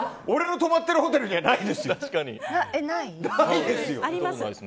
俺の泊まってるホテルにはないですよ！